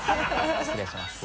失礼します。